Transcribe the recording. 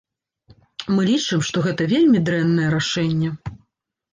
Мы лічым, што гэта вельмі дрэннае рашэнне.